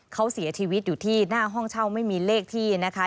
เขาเสียชีวิตอยู่ที่หน้าห้องเช่าไม่มีเลขที่นะคะ